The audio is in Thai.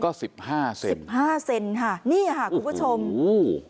ก็๑๕เซนติเมตรค่ะนี่คุณผู้ชมอู๋